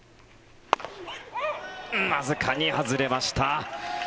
わずかに外れました。